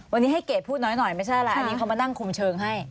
วันนี้ให้เกรดพูดน้อยหน่อยไม่ใช่อะไรอันนี้เขามานั่งคุมเชิงให้